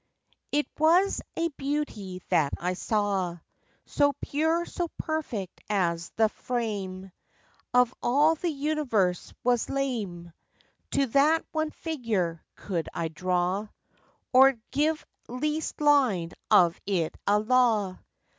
It was a beauty that I saw, So pure, so perfect, as the frame Of all the universe was lame, To that one figure, could I draw, Or give least line of it a law!